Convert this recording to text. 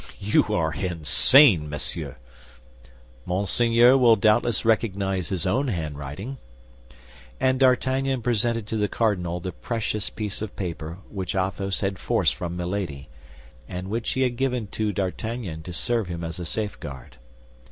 You are insane, monsieur." "Monseigneur will doubtless recognize his own handwriting." And D'Artagnan presented to the cardinal the precious piece of paper which Athos had forced from Milady, and which he had given to D'Artagnan to serve him as a safeguard.